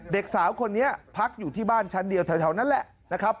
เด็กสาวคนนี้พักอยู่ที่บ้านชั้นเดียวแถวนั้นแหละนะครับ